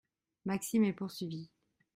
Maxime est poursuivi.